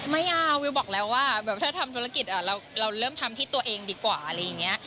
ไม่เอาวิวบอกแล้วว่าแบบถ้าทำธุรกิจเราเริ่มทำที่ตัวเองดีกว่าอะไรอย่างนี้